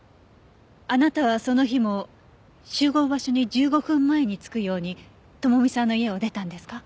あなたはその日も集合場所に１５分前に着くように智美さんの家を出たんですか？